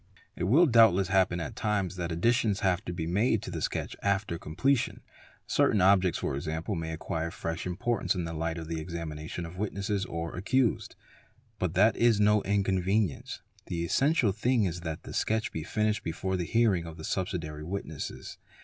} It will doubtless happen at times that additions have to be made sdf the sketch after completion; certain objects for example may acquire fresh importance in the light of the examination of witnesses or accused. But that is no inconvenience; the essential thing is that the sketch — be finished before the hearing of the subsidiary witnesses.